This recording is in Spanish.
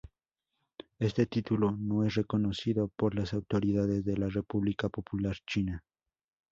Este título no es reconocido por las autoridades de la República Popular China.